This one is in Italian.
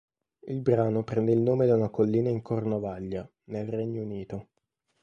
Il brano prende il nome da una collina in Cornovaglia, nel Regno Unito.